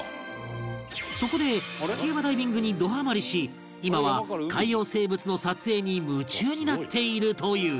そこでスキューバダイビングにどハマりし今は海洋生物の撮影に夢中になっているという